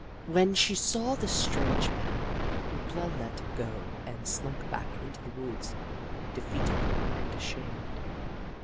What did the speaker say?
When she saw the strange man, Hoop La let go and slunk back into the woods, defeated and ashamed.